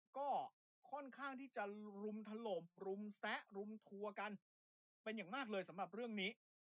ก็ค่อนข้างที่จะรุมถล่มรุมแซะรุมทัวร์กันเป็นอย่างมากเลยสำหรับเรื่องนี้